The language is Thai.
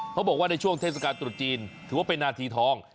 เขาบอกว่าในช่วงเทศกาลตรุษจีนถือว่าเป็นนาทีทอง